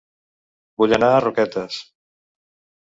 Vull anar a Roquetes